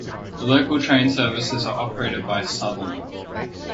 The local train services are operated by Southern.